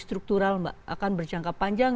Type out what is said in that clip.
struktural mbak akan berjangka panjang